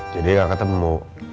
jadi gak ketemu